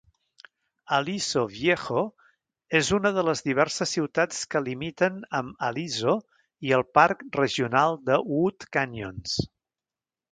Aliso Viejo és una de les diverses ciutats que limiten amb Aliso i el parc regional de Wood Canyons.